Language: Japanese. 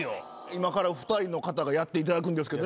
今から２人の方がやっていただくんですけど。